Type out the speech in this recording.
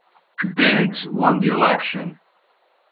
Biggs won the election.